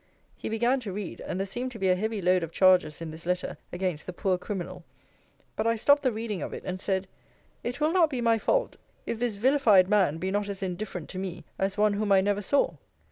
He began to read; and there seemed to be a heavy load of charges in this letter against the poor criminal: but I stopped the reading of it, and said, It will not be my fault, if this vilified man be not as indifferent to me, as one whom I never saw.